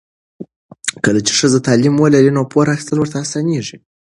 کله چې ښځه تعلیم ولري، نو پور اخیستل ورته اسانېږي.